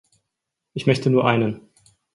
Ich möchte nur einen.